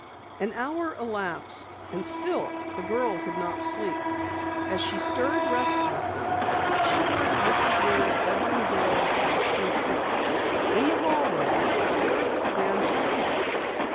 An hour elapsed and still the girl could not sleep. As she stirred restlessly, she heard Mrs. Lear's bedroom door softly creak. In the hallway boards began to tremble.